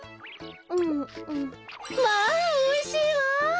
まあおいしいわ！